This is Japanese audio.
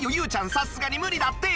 さすがに無理だって！